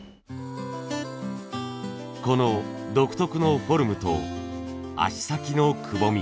この独特のフォルムと足先のくぼみ。